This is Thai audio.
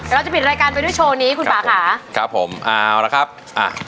เราจะปิดรายการไปด้วยโชว์นี้คุณป่าค่ะครับผมเอาละครับอ่ะ